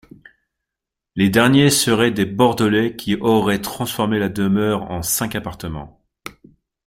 Les derniers seraient des Bordelais qui auraient transformé la demeure en cinq appartements.